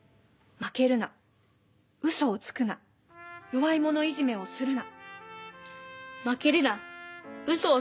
負けるなうそをつくな弱い者いじめをするな。